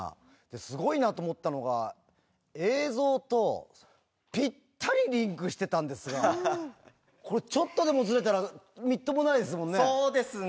すごいなと思ったのが、映像とぴったりリンクしてたんですが、これ、ちょっとでもずれたそうですね。